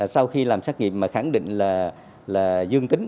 sau khi làm xét nghiệm mà khẳng định là dương tính